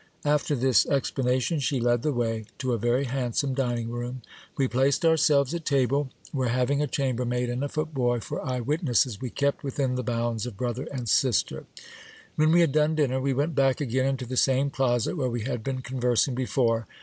After this explana tion, she led the way to a very handsome dining room. We placed ourselves at table, where having a chambermaid and a footboy for eye witnesses, we kept within the bounds of brother and sister. When we had done dinner, we went back again into the same closet where we had been conversing before.